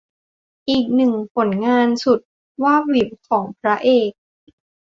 อีกหนึ่งผลงานสุดวาบหวิวของพระเอก